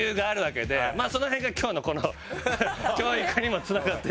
その辺が今日のこの教育にもつながっていく。